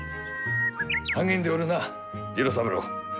励んでおるな次郎三郎。